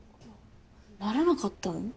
なれなかったの？